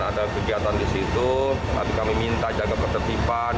ada kegiatan di situ tapi kami minta jaga ketertiban